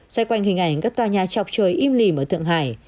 xoay quanh hình ảnh các tòa nhà chọc trời im lìm ở thượng hải